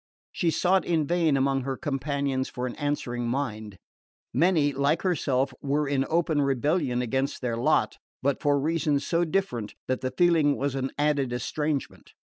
She sought in vain among her companions for an answering mind. Many, like herself, were in open rebellion against their lot; but for reasons so different that the feeling was an added estrangement.